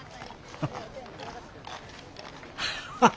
ハハハッ。